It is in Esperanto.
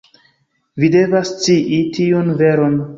Vi devas scii tiun veron.